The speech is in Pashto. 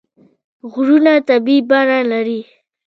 غرونه طبیعي بڼه لري.